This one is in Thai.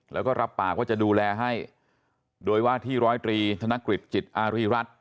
แล้วก็รับปากว่าจะดูแลให้โดยว่าที่ร้อยตรีธนกฤษจิตอารีรัฐ